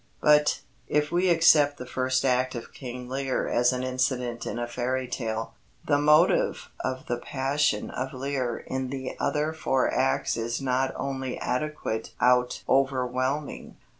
But, if we accept the first act of King Lear as an incident in a fairy tale, the motive of the Passion of Lear in the other four acts is not only adequate out overwhelming.